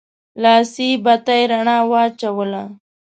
لاسي بتۍ رڼا واچوله.